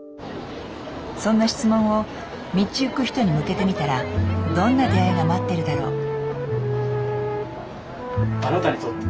そんな質問を道ゆく人に向けてみたらどんな出会いが待ってるだろう。